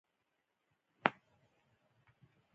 هېڅ شی له لاسه نه ورکوي دا حقیقت دی.